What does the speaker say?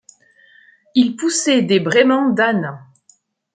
Ils poussaient des braiements d’âne.